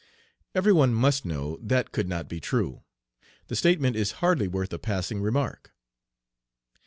Every one must know that could not be true. The statement is hardly worth a passing remark.